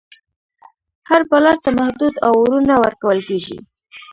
هر بالر ته محدود اوورونه ورکول کیږي.